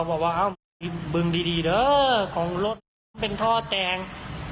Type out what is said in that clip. บึงดีเด้อของรถเป็นท่อแต่ง